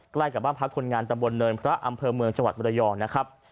ใกล้กับบ้านพักคนงานตำบลเนินพระอำเภอเมืองจังหวัดมรยองนะครับ